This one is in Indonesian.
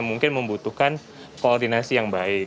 mungkin membutuhkan koordinasi yang baik